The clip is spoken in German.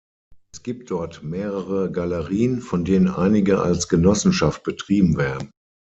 Es gibt dort mehrere Galerien, von denen einige als Genossenschaft betrieben werden.